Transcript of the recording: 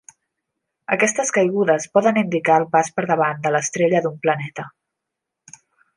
Aquestes caigudes poden indicar el pas per davant de l'estrella d'un planeta.